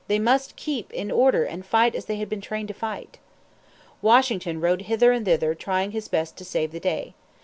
They must keep in order and fight as they had been trained to fight. Washington rode hither and thither trying his best to save the day.